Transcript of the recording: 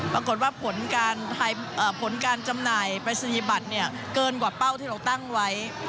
ปรากฏว่าผลการจำหน่ายปริศนียบัตรเกินกว่าเป้าที่เราตั้งไว้